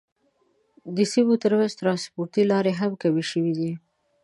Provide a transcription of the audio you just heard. د سیمو تر منځ ترانسپورتي لارې هم کمې شوې دي.